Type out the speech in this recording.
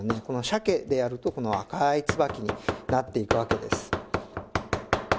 この鮭でやるとこの赤い椿になっていくわけです。